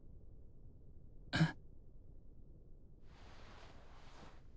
えっ？